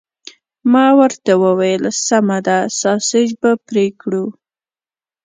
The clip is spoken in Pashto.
ما ورته وویل: سمه ده، ساسیج به پرې کړي؟